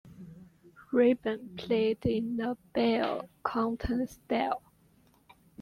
Rabin played in a bel canto style.